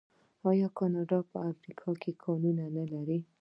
آیا کاناډا په افریقا کې کانونه نلري؟